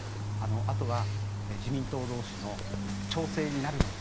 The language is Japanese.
あとは自民党同士の調整になるのか